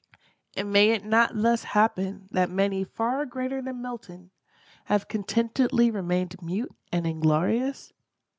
And may it not thus happen that many far greater than Milton, have contentedly remained "mute and inglorious?"